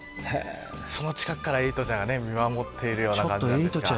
その近くからエイトちゃんが見守っているような感じですが。